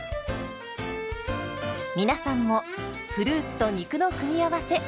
皆さんもフルーツと肉の組み合わせ